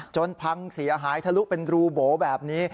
พังเสียหายทะลุเป็นรูโบแบบนี้